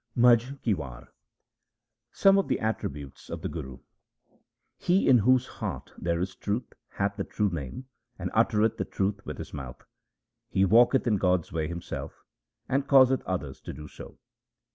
Majh ki War Some of the attributes of the Guru :— He in whose heart there is truth hath the true Name, and uttereth the truth with his mouth ; He walketh in God's way himself, and causeth others to do so.